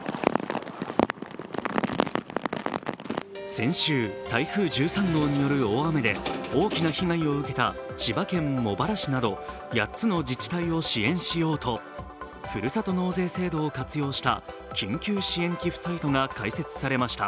先週、台風１３号による大雨で大きな被害を受けた千葉県茂原市など８つの自治体を支援しようとふるさと納税制度を活用した緊急支援寄付サイトが開設されました。